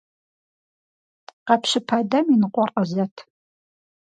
Къэпщыпа дэм и ныкъуэр къызэт!